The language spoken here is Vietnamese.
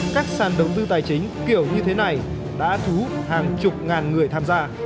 các sản đầu tư tài chính kiểu như thế này đã thú hàng chục ngàn người tham gia